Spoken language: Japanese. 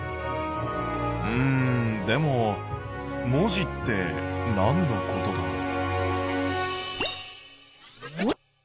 うんでも文字ってなんのことだろう？